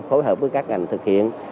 phối hợp với các ngành thực hiện